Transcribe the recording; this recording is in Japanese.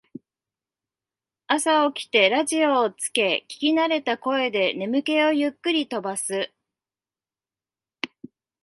朝起きてラジオをつけ聞きなれた声で眠気をゆっくり飛ばす